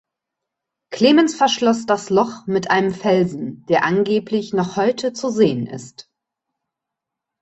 Clemens verschloss das Loch mit einem Felsen, der angeblich noch heute zu sehen ist.